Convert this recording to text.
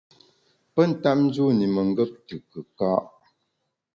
Pe ntap njûn i mengap te kùka’.